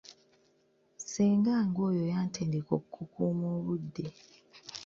Ssengange oyo yantendeka okukuuma obudde.